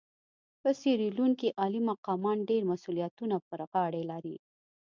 په سیریلیون کې عالي مقامان ډېر مسوولیتونه پر غاړه لري.